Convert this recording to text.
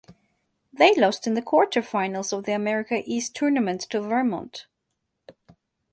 They lost in the quarterfinals of the America East Tournament to Vermont.